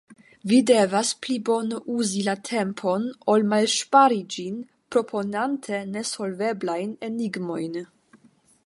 Vi devas pli bone uzi la tempon ol malŝpari ĝin proponante ne solveblajn enigmojn.